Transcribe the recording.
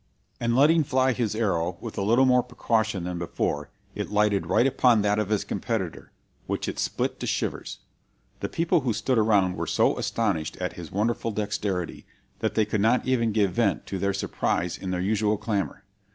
"And letting fly his arrow with a little more precaution than before, it lighted right upon that of his competitor, which it split to shivers. The people who stood around were so astonished at his wonderful dexterity, that they could not even give vent to their surprise in their usual clamor.